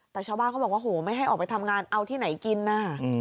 แต่ชาวบ้านเขาบอกว่าโหไม่ให้ออกไปทำงานเอาที่ไหนกินน่ะ